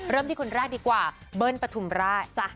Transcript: เริ่มที่คนแรกดีกว่าเบิ้ลปฐุมราช